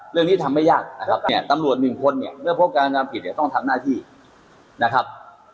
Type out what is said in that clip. เรื่องนี้ทำไม่ยากนะครับเนี่ยตำรวจหนึ่งคนเนี่ยเมื่อพบการทำผิดเนี่ยต้องทำหน้าที่นะครับ